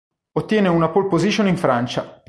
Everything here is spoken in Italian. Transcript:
Ottiene una pole position in Francia.